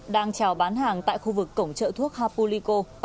đang trào bán hàng tại khu vực cổng trợ thuốc hapulico